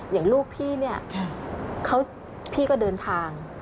อย่างลูกพี่เนี่ยพี่ก็เดินทาง